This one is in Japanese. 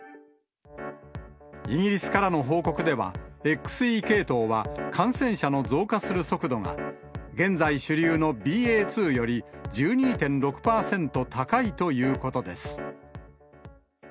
イギリスからの報告では、ＸＥ系統は感染者の増加する速度が、現在主流のＢＡ．２より１２．６％高いということです。